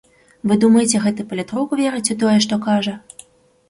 Вы думаеце, гэты палітрук верыць у тое, што кажа?